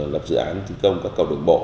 lập dự án thi công các cầu đường bộ